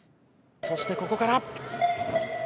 そしてここから。